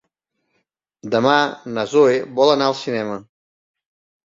Demà na Zoè vol anar al cinema.